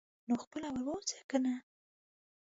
نو خپله ور ووځه کنه.